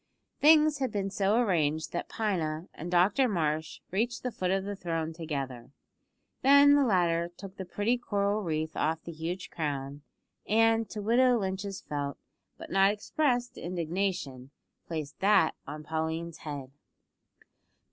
Things had been so arranged that Pina and Dr Marsh reached the foot of the throne together. Then the latter took the pretty coral wreath off the huge crown, and, to widow Lynch's felt, but not expressed, indignation, placed that on Pauline's head.